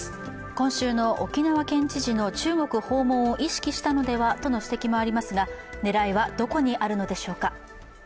今週の沖縄県知事の中国訪問を意識したのではとの指摘もありますが、狙いはどこにあるのでしょうか。